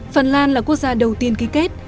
phần lan là quốc gia đầu tiên ký kết